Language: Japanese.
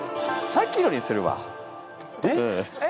さっきのにする。